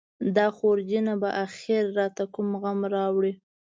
دا خورجینه به اخر راته کوم غم راوړي.